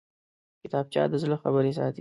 کتابچه د زړه خبرې ساتي